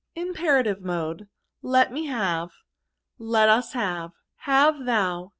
JupKRATivs Mode. Let me have. Let us have* Have thou.